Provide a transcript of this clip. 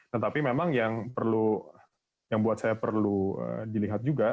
tetapi memang yang perlu yang buat saya perlu dilihat juga